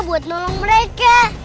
buat nolong mereka